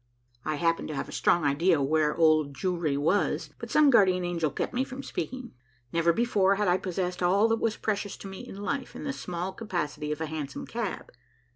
I happened to have a strong idea where the Old Jewry was, but some guardian angel kept me from speaking. Never before had I possessed all that was precious to me in life in the small capacity of a hansom cab.